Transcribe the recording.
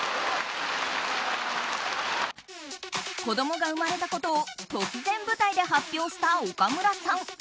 子供が生まれたことを突然、舞台で発表した岡村さん。